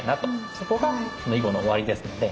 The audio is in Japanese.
そこが囲碁の終わりですので。